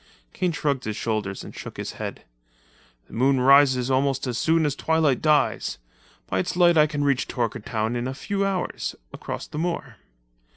Kane shrugged his shoulders and shook his head. "The moon rises almost as soon as twilight dies. By its light I can reach Torkertown in a few hours, across the moor."